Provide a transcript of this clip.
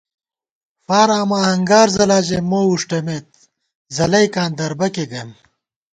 فار آما ہنگار ځلا ژَئی مو وُݭٹمېت ځلَئیکاں دربَکے گئیم